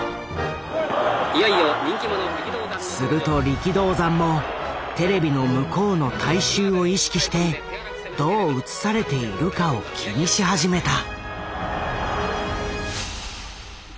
すると力道山もテレビの向こうの大衆を意識してどう映されているかを気にし始めた。